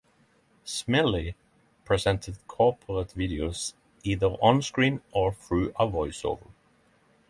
Smillie presented corporate videos either on-screen or through a voice-over.